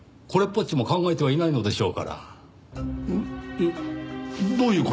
えっどういう事ですか？